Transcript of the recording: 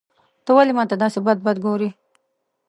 ته ولي ماته داسي بد بد ګورې.